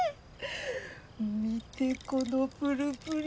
見てこのプルプル。